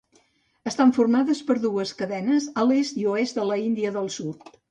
Estan formades per dues cadenes a l'est i oest de l'Índia del sud.